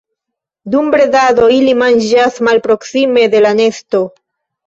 Dum bredado ili manĝas malproksime de la nesto.